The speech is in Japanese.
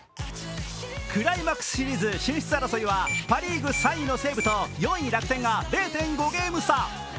クライマックスシリーズ進出争いはパ・リーグ３位の西武と４位・楽天が０．５ゲーム差。